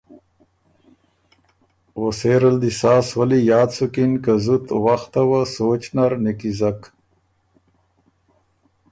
او سېره ل دی سا سولّي یاد سُکِن که زُت وخته وه سوچ نر نیکیزک۔